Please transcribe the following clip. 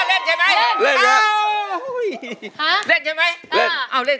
เล่นอ่าเล่นก่อนเล่น